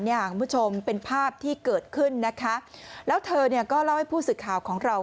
ของคุณผู้ชมเป็นภาพที่เกิดขึ้นแล้วเธอก็เล่าให้ผู้สิทธิ์ข่าวของเรา